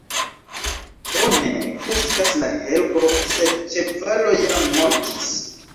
Bone kreskas la herbo, sed ĉevalo jam mortis.